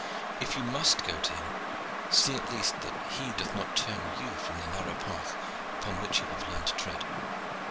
"If you must go to him, see at least that he doth not turn you from the narrow path upon which you have learned to tread.